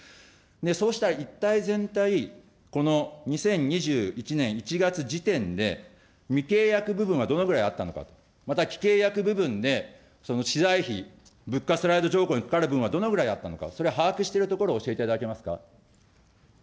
そうした一体全体、この２０２１年１月時点で、未契約部分はどのぐらいあったのか、また既契約部分で、その資材費、物価スライド条項にかかる分はどのくらいあったのか、それ把握しているところ、教えていただけますか。